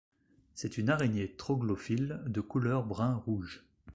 C'est une araignée troglophile de couleur brun-rouge.